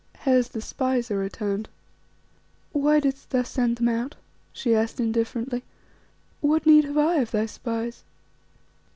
"Hes, the spies are returned." "Why didst thou send them out?" she asked indifferently. "What need have I of thy spies?"